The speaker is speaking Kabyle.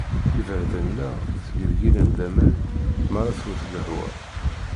Iberdan-nneɣ ttgelgilen d aman m'ara twet lehwa.